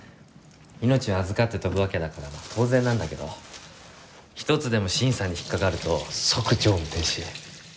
命を預かって飛ぶわけだから当然なんだけど一つでも審査に引っかかると即乗務停止。